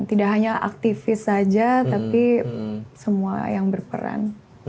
tidak hanya aktivis saja tapi semua yang berperan